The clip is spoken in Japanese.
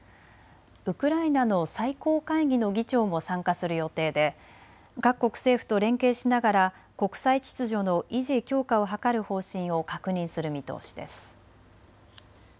ウクライナの最高会議の議長も参加する予定で各国政府と連携しながら国際秩序の維持・強化を図る方針を確認する見通しです。